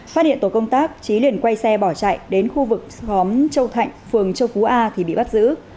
phát hiện tổ công tác trí liền quay xe bỏ chạy đến khu vực khóm châu thạnh phường châu phú a thì bị bắt giữ